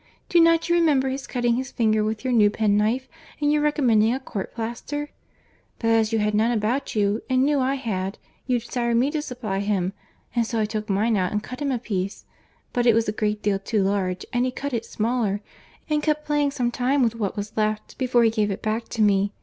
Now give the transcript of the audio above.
—Do not you remember his cutting his finger with your new penknife, and your recommending court plaister?—But, as you had none about you, and knew I had, you desired me to supply him; and so I took mine out and cut him a piece; but it was a great deal too large, and he cut it smaller, and kept playing some time with what was left, before he gave it back to me.